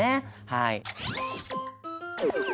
はい。